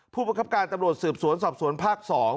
ประคับการตำรวจสืบสวนสอบสวนภาค๒